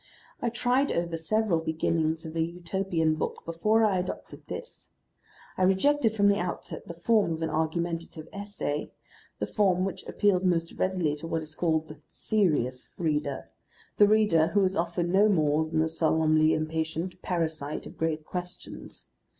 I tried over several beginnings of a Utopian book before I adopted this. I rejected from the outset the form of the argumentative essay, the form which appeals most readily to what is called the "serious" reader, the reader who is often no more than the solemnly impatient parasite of great questions.